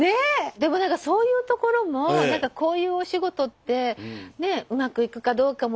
でも何かそういうところも何かこういうお仕事ってねえうまくいくかどうかも分からない。